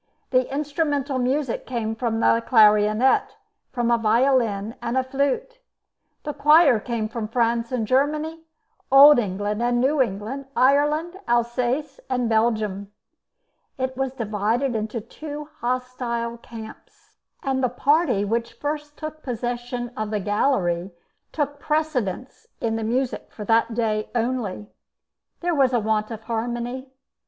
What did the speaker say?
The instrumental music came from the clarionet, from a violin, and a flute. The choir came from France and Germany, Old England and New England, Ireland, Alsace, and Belgium. It was divided into two hostile camps, and the party which first took possession of the gallery took precedence in the music for that day only. There was a want of harmony.